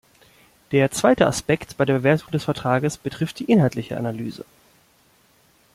Der zweite Aspekt bei der Bewertung des Vertrags betrifft die inhaltliche Analyse.